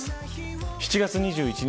７月２１日